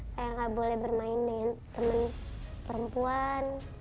saya nggak boleh bermain dengan teman perempuan